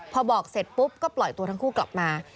พอบอกเสร็จปุ๊บก็ปล่อยตัวทั้งคู่กลับมา